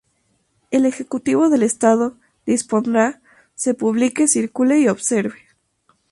El Ejecutivo del Estado dispondrá se publique, circule y observe.